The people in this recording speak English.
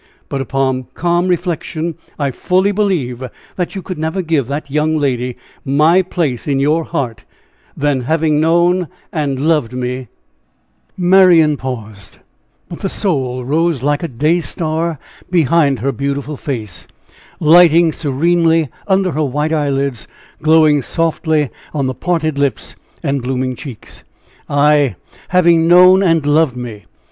But, upon calm reflection, I fully believe that you could never give that young lady my place in your heart, that having known and loved me " Marian paused, but the soul rose like a day star behind her beautiful face, lighting serenely under her white eyelids, glowing softly on the parted lips and blooming cheeks. "Ay! 'having known and loved me!'